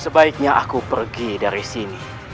sebaiknya aku pergi dari sini